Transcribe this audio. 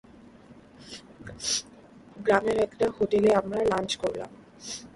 গ্রামের একটা হোটেলে আমরা লাঞ্চ করলাম।